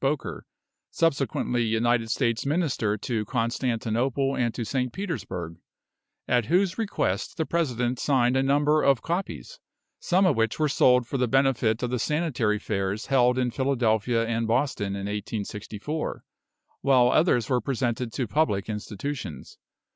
Boker, subsequently United States Minister to Constantinople and to St. Petersburg, at whose request the President signed a number of copies, some of which were sold for the benefit of the Sanitary Fairs held in Philadelphia and Boston in 1864, while others were presented to public institutions.